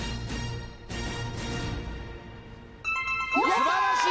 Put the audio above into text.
素晴らしい！